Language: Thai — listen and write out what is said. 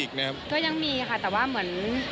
ก็ยังมีค่ะแต่ว่าเหมือน